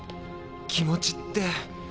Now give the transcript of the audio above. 気持ちって。